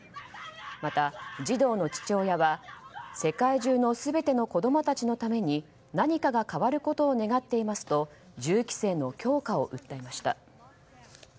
また児童の父親は世界中の全ての子供たちのために何かが変わることを願っていますと銃規制の強化を訴えました。